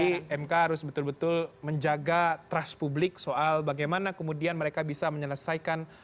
tapi mk harus betul betul menjaga trust publik soal bagaimana kemudian mereka bisa menyelesaikan